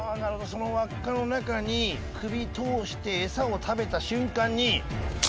その輪っかの中に首通してエサを食べた瞬間に。